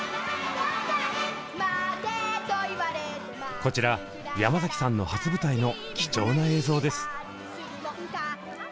こちら山崎さんの初舞台の貴重な映像です。